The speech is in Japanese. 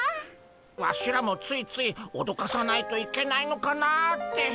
ワシらもついついおどかさないといけないのかなって。